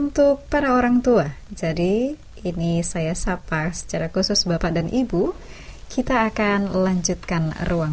tuhan ku bantu karang